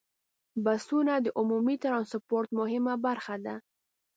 بسونه د عمومي ټرانسپورت مهمه برخه ده.